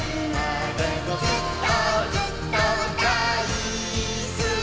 「ずっとずっとだいすき」